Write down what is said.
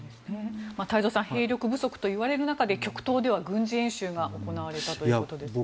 太蔵さん兵力不足といわれる中で極東では軍事演習が行われたということですね。